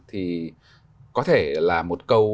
thì có thể là một câu